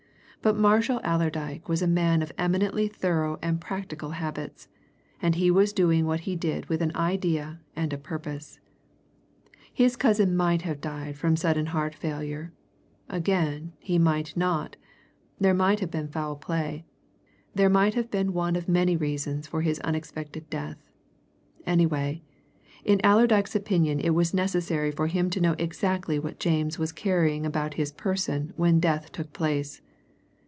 But Marshall Allerdyke was a man of eminently thorough and practical habits, and he was doing what he did with an idea and a purpose. His cousin might have died from sudden heart failure; again, he might not, there might have been foul play; there might have been one of many reasons for his unexpected death anyway, in Allerdyke's opinion it was necessary for him to know exactly what James was carrying about his person when death took place.